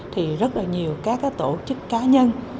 thì rất là nhiều các tổ chức cá nhân